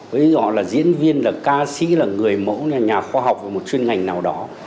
ví dụ họ là diễn viên là ca sĩ là người mẫu là nhà khoa học là một chuyên ngành nào đó